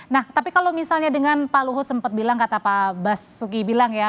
nah tapi kalau misalnya dengan pak luhut sempat bilang kata pak basuki bilang ya